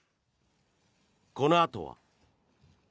このあとは。